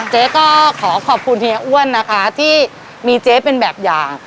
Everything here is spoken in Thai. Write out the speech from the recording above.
เจ๊ก็ขอขอบคุณเฮียอ้วนนะคะที่มีเจ๊เป็นแบบอย่าง